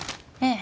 え